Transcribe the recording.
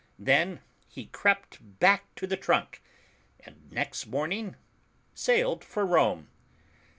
Then he crept back to the trunk, and next morning sailed for Rome.